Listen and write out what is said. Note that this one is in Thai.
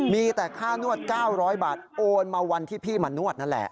มีแต่ค่านวด๙๐๐บาทโอนมาวันที่พี่มานวดนั่นแหละ